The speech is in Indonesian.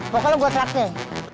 pokoknya gua terakhir